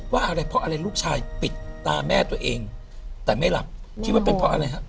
อะไรเพราะอะไรลูกชายปิดตาแม่ตัวเองแต่ไม่หลับคิดว่าเป็นเพราะอะไรฮะ